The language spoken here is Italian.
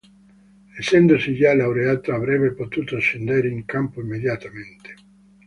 Essendosi già laureato avrebbe potuto scendere in campo immediatamente.